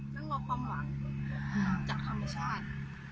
ต้องรอความหวังจากธรรมชาติ